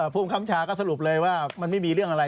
ภูมิคับชาก็สรุปเลยว่ามันไม่มีเรื่องอะไร